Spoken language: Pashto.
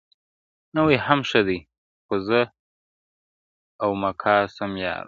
نوي هم ښه دي خو زه وامقاسم یاره,